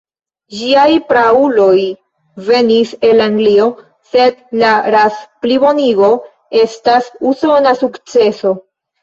Ĝiaj prauloj venis el Anglio, sed la ras-plibonigo estas usona sukceso.